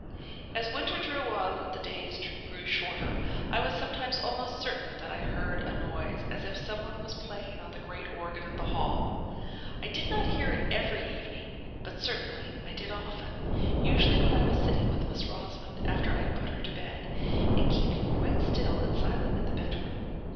As winter drew on, and the days grew shorter, I was sometimes almost certain that I heard a noise as if someone was playing on the great organ in the hall. I did not hear it every evening; but, certainly, I did very often, usually when I was sitting with Miss Rosamond, after I had put her to bed, and keeping quite still and silent in the bedroom.